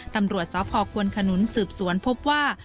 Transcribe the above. ตำรวจสพควนขนุนสืบสวนพบว่า